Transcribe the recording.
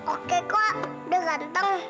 oke kok udah ganteng